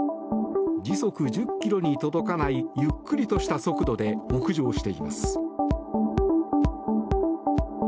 時速１０ｋｍに届かないゆっくりとした速度で北上しています。